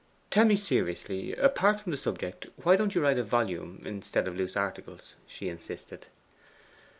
'Tell me seriously apart from the subject why don't you write a volume instead of loose articles?' she insisted.